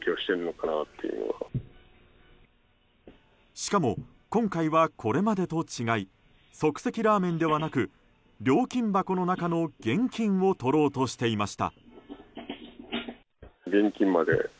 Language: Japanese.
しかも、今回はこれまでと違い即席ラーメンではなく料金箱の中の現金をとろうとしていました。